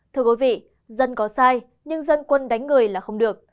thưa quý vị dân có sai nhưng dân quân đánh người là không được